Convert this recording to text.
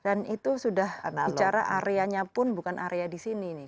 dan itu sudah bicara areanya pun bukan area di sini nih